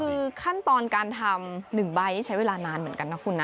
คือขั้นตอนการทำ๑ใบนี่ใช้เวลานานเหมือนกันนะคุณนะ